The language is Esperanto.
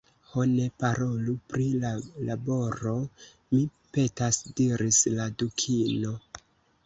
"Ho, ne parolu pri la laboro, mi petas," diris la Dukino. "